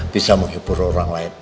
bisa menghibur orang lain